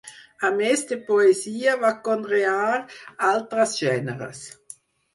A més de poesia va conrear altres gèneres.